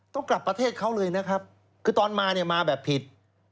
ต้องกลับประเทศเขาเลยนะครับคือตอนมาเนี่ยมาแบบผิด